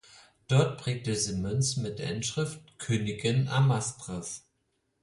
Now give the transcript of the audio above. Dort prägte sie Münzen mit der Inschrift "Königin Amastris".